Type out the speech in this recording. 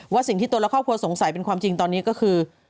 ว่าสิ่งที่ตัวละครของผู้สงสัยความจริงดีตอนนี้ก็คือ